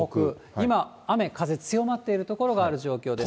今、雨風強まっている所がある状況です。